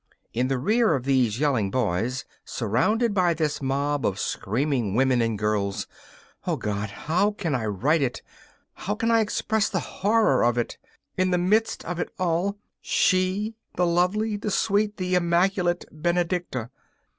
In the rear of these yelling boys, surrounded by this mob of screaming women and girls O God! how can I write it? How can I express the horror of it? In the midst of it all she, the lovely, the sweet, the immaculate Benedicta!